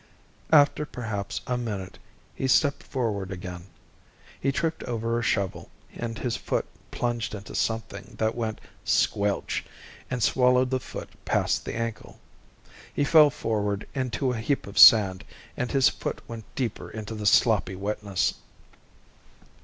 After perhaps a minute, he stepped forward again. He tripped over a shovel, and his foot plunged into something that went squelch and swallowed the foot past the ankle. He fell forward into a heap of sand, and his foot went deeper into the sloppy wetness.